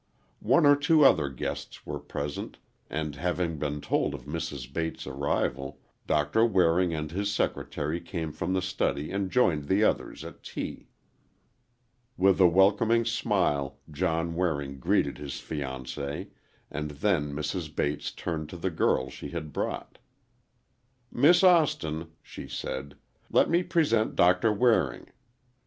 One or two other guests were present and, having been told of Mrs. Bates' arrival Doctor Waring and his secretary came from the study and joined the others at tea. With a welcoming smile, John Waring greeted his fiancee, and then Mrs. Bates turned to the girl she had brought. "Miss Austin," she said, "let me present Doctor Waring.